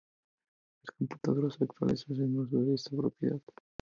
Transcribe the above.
Las computadoras actuales hacen uso de esta propiedad.